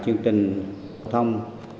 chương trình học tập